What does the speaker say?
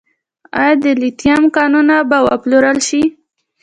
آیا د لیتیم کانونه به وپلورل شي؟